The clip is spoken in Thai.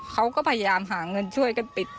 เขาก็พยายามหาเงินช่วยกันปิด